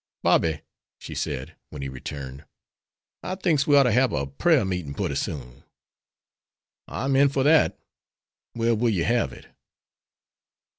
"Bobby," she said, when he returned, "I thinks we ort ter hab a prayer meetin' putty soon." "I am in for that. Where will you have it?"